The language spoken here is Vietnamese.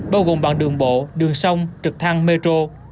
bao gồm bằng đường bộ đường sông trực thăng metro